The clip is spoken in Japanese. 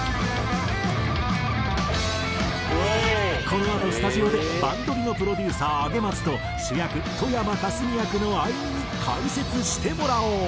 このあとスタジオで『バンドリ！』のプロデューサー上松と主役戸山香澄役の愛美に解説してもらおう！